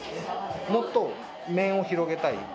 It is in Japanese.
もっと面を広げたい。